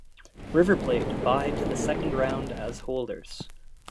River Plate bye to the second round as holders.